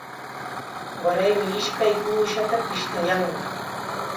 Waraymi ishkay uushata pishtayanqa.